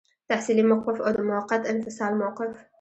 تحصیلي موقف او د موقت انفصال موقف.